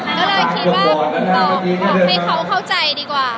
ก็เลยคิดว่าบอกให้เขาเข้าใจดีกว่า